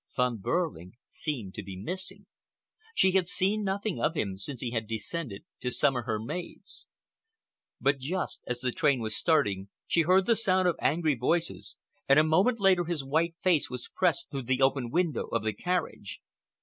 Von Behrling seemed to be missing. She had seen nothing of him since he had descended to summon her maids. But just as the train was starting, she heard the sound of angry voices, and a moment later his white face was pressed through the open window of the carriage.